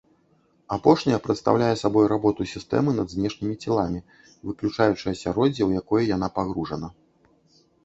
Апошняя прадстаўляе сабой работу сістэмы над знешнімі целамі, выключаючы асяроддзе, у якое яна пагружана.